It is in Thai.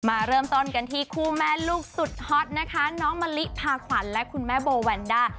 มาเริ่มต้นกันที่คู่แม่ลูกสุดฮอตนะคะน้องมะลิพาขวัญและคุณแม่โบแวนด้า